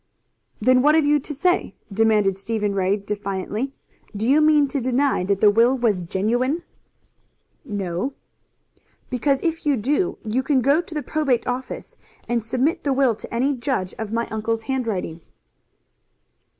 "Then what have you to say?" demanded Stephen Ray defiantly. "Do you mean to deny that the will was genuine?" "No." "Because if you do, you can go to the probate office, and submit the will to any judge of my uncle's handwriting."